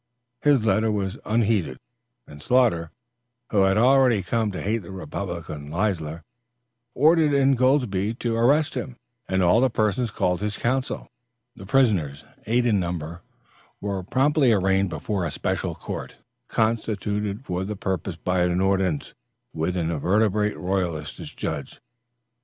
His letter was unheeded, and Sloughter, who had already come to hate the republican Leisler, ordered Ingoldsby to arrest him and all the persons called his council. The prisoners, eight in number, were promptly arraigned before a special court, constituted for the purpose by an ordinance, with inveterate royalists as judges.